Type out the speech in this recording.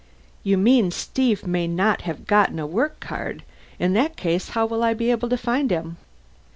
"You mean Steve may not have gotten a work card? In that case how will I be able to find him?"